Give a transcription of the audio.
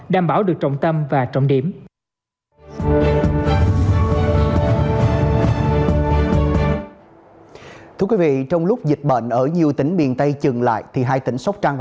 đảm bảo được trọng tâm và truyền thông